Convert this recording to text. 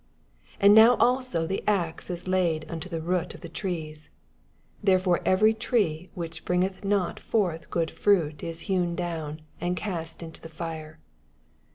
10 And now also the ax is laid nnto the root of the trees : therefore every tree which bringeth not forth good frnit is hewn down, and cast into the fire.